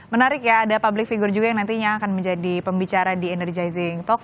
menarik ya ada public figure juga yang nantinya akan menjadi pembicara di energizing talk